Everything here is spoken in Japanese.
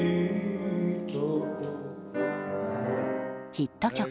ヒット曲